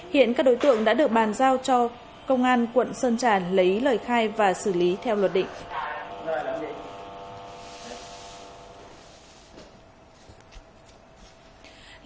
hiện các đối tượng đã được bàn giao cho công an quận sơn trà lấy lời khai và xử lý theo luật định